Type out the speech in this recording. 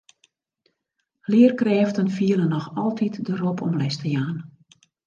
Learkrêften fiele noch altyd de rop om les te jaan.